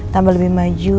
tambah lebih maju